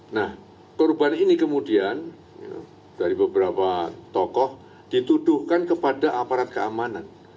nah korban ini kemudian dari beberapa tokoh dituduhkan kepada aparat keamanan